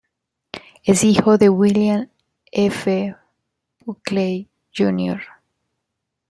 Es hijo de William F. Buckley, Jr.